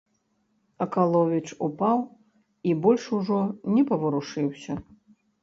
Акаловіч упаў і больш ужо не паварушыўся.